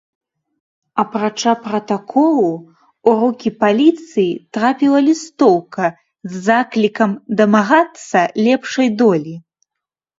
Апрача пратаколу, у рукі паліцыі трапіла лістоўка з заклікам дамагацца лепшай долі.